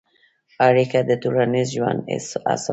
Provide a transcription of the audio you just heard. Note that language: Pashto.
اړیکه د ټولنیز ژوند اساس دی.